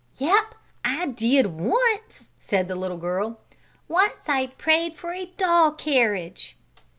"Yep! I did once!" said the little girl. "Once I prayed for a doll carriage."